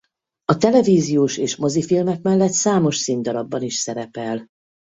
A televíziós- és mozifilmek mellett számos színdarabban is szerepel.